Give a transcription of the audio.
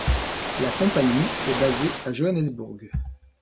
La compagnie est basée à Johannesbourg.